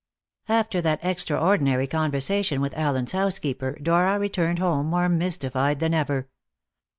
After that extraordinary conversation with Allen's housekeeper, Dora returned home more mystified than ever.